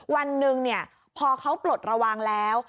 วันหนึ่งพอเขาปลดระวังแล้ว